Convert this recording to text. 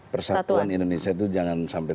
persatuan indonesia itu jangan sampai